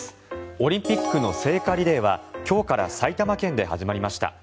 オリンピックの聖火リレーは今日から埼玉県で始まりました。